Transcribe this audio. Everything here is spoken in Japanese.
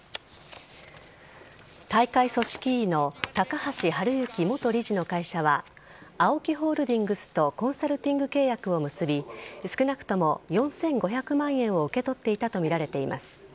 大会組織委の高橋治之元理事の会社はＡＯＫＩホールディングスとコンサルティング契約を結び少なくとも４５００万円を受け取っていたとみられています。